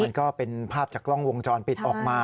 ก็เป็นภาพจากกล้องวงจรปิดออกมา